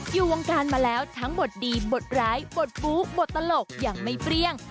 อยู่วงการมาแล้วทั้งบทดีบทร้ายบทบู๊บทตลกอย่างไม่เปรี้ยง